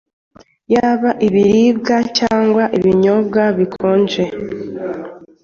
yaba ibiribwa cyangwa n’ibinyobwa bikonje.